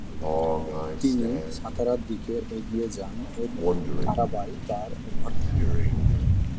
তিনি সাতারার দিকে এগিয়ে যান এবং তারাবাঈ তার অভ্যর্থনা করেন।